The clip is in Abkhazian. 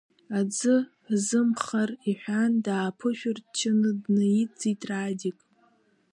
Аӡы ҳзымхар, – иҳәан, дааԥышәырччаны днаидҵит Радик.